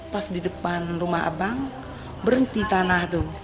pas di depan rumah abang berhenti tanah tuh